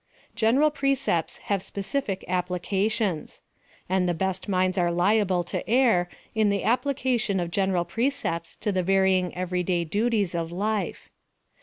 General precepts have specific applications ; and the best minds are liable to err in the application of general precepts to the varying every day duties of life.